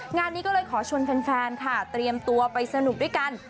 งานนี้ก็เลยขอชวนแฟนค่ะเตรียมตัวไปสนุกด้วยกัน